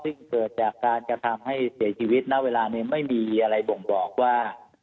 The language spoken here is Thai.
ซึ่งเกิดจากการกระทำให้เสียชีวิตณเวลานี้ไม่มีอะไรบ่งบอกว่า